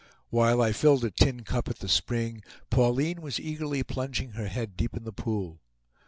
While I filled a tin cup at the spring, Pauline was eagerly plunging her head deep in the pool.